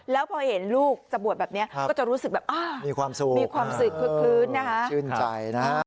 แล้วพอเห็นลูกจะบวชแบบนี้ก็จะรู้สึกแบบมีความสุขทั่วพื้นนะคะชื่นใจนะ